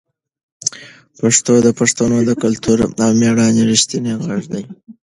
پښتو د پښتنو د کلتور او مېړانې رښتینې غږ ده.